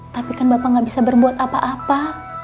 tapi kan bapak nggak bisa berbuat apa apa